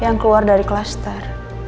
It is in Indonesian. yang keluar dari klaster